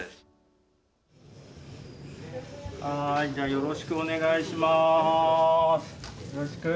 よろしくお願いします。